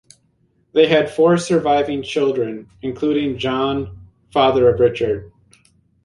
They had four surviving children, including John, father of Richard.